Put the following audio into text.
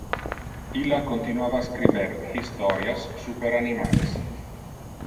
Illa continuava a scriber historias super animales.